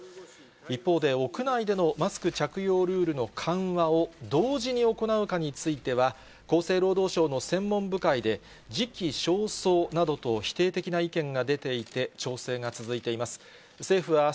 一方で、屋内でのマスク着用ルールの緩和を同時に行うかについては、厚生労働省の専門部会で、時期尚早などと否定的な意見が出ていて、調整が続いています。